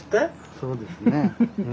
そうですね。